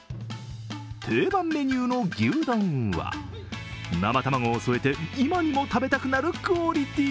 定番メニューの牛丼は生卵を添えて今にも食べたくなるクオリティ。